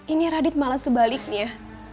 ini radit malah sebaliknya